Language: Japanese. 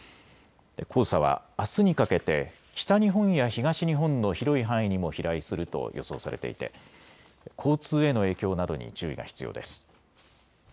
黄砂はあすにかけて北日本や東日本の広い範囲にも飛来すると予想されていて交通への影響などに注意が必要です。